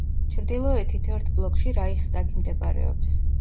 ჩრდილოეთით ერთ ბლოკში რაიხსტაგი მდებარეობს.